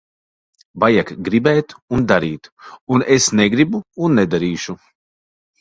Vajag gribēt un darīt. Un es negribu un nedarīšu.